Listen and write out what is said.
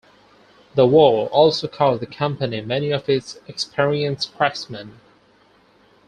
The war also cost the company many of its experienced craftsmen.